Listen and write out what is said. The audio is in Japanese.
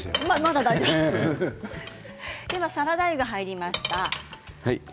サラダ油が入りました。